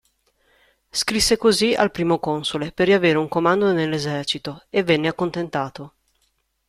Scrisse così al Primo Console per riavere un comando nell'esercito e venne accontentato.